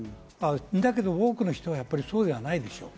だけど多くの人はそうじゃないでしょう？